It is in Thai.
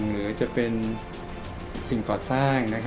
หรือจะเป็นสิ่งก่อสร้าง